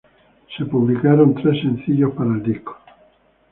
Fueron publicados tres sencillos para el disco.